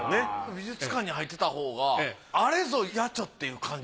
美術館に入ってたほうがあれぞ『野猪』っていう感じ。